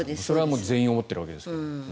それは全員思っているわけです。